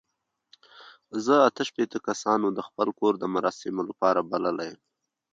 زه اته شپېته کسان د خپل کور د مراسمو لپاره بللي یم.